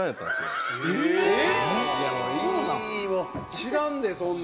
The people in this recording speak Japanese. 知らんでそんな。